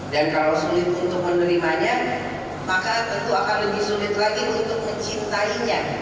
dan kalau sulit untuk menerimanya maka tentu akan lebih sulit lagi untuk mencintainya